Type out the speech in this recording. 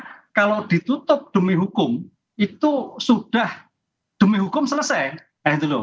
karena kalau ditutup demi hukum itu sudah demi hukum selesai